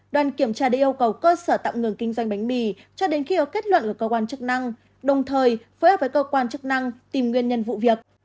đoàn kiểm tra đã yêu cầu cơ sở tạm ngừng kinh doanh bánh mì cho đến khi có kết luận của cơ quan chức năng đồng thời phối hợp với cơ quan chức năng tìm nguyên nhân vụ việc